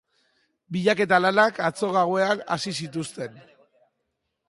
Bilaketa lanak atzo gauean hasi zituzten.